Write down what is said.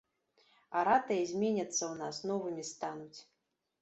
Аратаі зменяцца ў нас, новымі стануць.